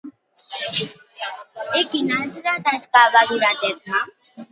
I quina altra tasca va dur a terme?